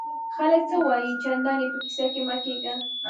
خلک څه وایي؟ چندان ئې په کیسه کي مه کېږه!